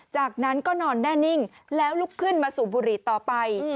จากนั้นก็นอนแน่นิ่งแล้วลุกขึ้นมาสูบบุหรี่ต่อไป